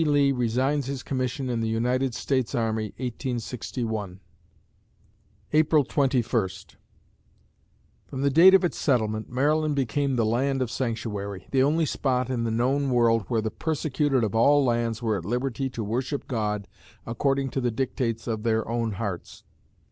Lee resigns his commission in the United States Army, 1861_ April Twenty First From the date of its settlement, Maryland became the Land of Sanctuary the only spot in the known world where the persecuted of all lands were at liberty to worship God according to the dictates of their own hearts.